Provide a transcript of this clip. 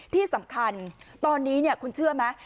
ที่สำคัญตอนนี้คุณเชื่อไหม